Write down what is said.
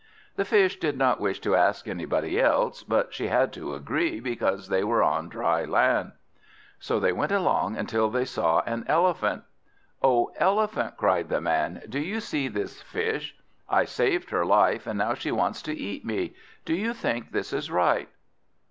The Fish did not wish to ask anybody else, but she had to agree, because they were on dry land. So they went along until they saw an Elephant. "O Elephant!" cried the Man, "do you see this Fish? I saved her life, and now she wants to eat me. Do you think this is right?"